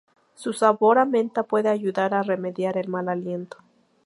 Su sabor a menta puede ayudar a remediar el mal aliento.